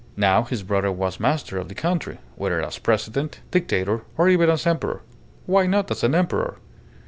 Now his brother was master of the country, whether as President, Dictator, or even as Emperor why not as an Emperor?